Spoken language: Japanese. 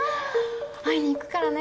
会いにいくからね。